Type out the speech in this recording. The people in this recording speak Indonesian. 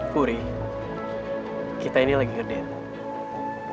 wuri kita ini lagi ngedate